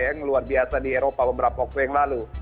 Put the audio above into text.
yang luar biasa di eropa beberapa waktu yang lalu